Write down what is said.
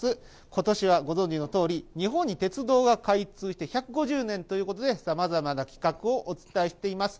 ことしはご存じのとおり、日本に鉄道が開通して１５０年ということで、さまざまな企画をお伝えしています。